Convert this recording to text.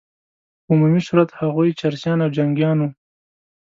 په عمومي صورت هغوی چرسیان او جنګیان وه.